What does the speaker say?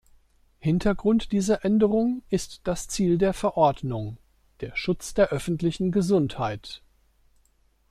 Hintergrund dieser Änderung ist das Ziel der Verordnung - der Schutz der öffentlichen Gesundheit.